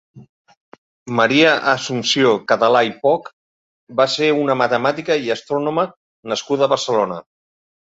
Maria Assumpció Català i Poch va ser una matemàtica i astrònoma nascuda a Barcelona.